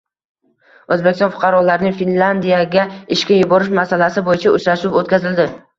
O‘zbekiston fuqarolarini Finlyandiyaga ishga yuborish masalasi bo‘yicha uchrashuv o‘tkazildi